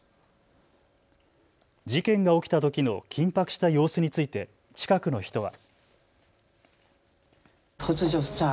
事件が起きたときの緊迫した様子について近くの人は。